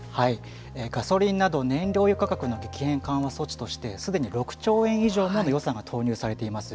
ガソリンなど燃料油価格の激戦緩和対策事業としてすでに６兆円以上もの予算が投入されています。